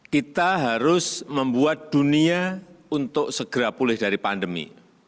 kita harus membuat dunia untuk segera pulih dari pandemi